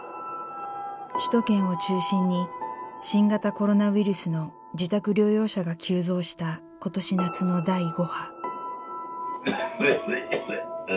首都圏を中心に新型コロナウイルスの自宅療養者が急増した今年夏の第５波。